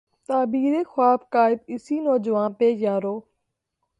تعبیر ء خواب ء قائد، اسی نوجواں پہ یارو